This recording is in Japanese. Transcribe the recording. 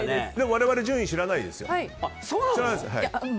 我々、順位知らないですよ。